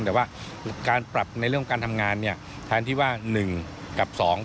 โดยรฟทจะประชุมและปรับแผนให้สามารถเดินรถได้ทันในเดือนมิถุนายนปี๒๕๖๓